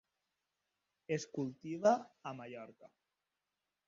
Es cultiva a Mallorca.